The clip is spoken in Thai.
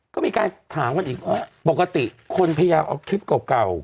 ก็มีการถามกันอีกว่าปกติคนพยายามเอาคลิปเก่า